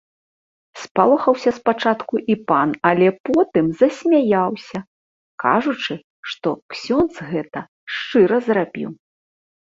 Спалохаўся спачатку і пан, але потым засмяяўся, кажучы, што ксёндз гэта шчыра зарабіў.